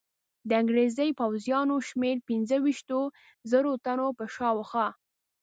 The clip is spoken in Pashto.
د انګرېزي پوځیانو شمېر پنځه ویشتو زرو تنو په شاوخوا.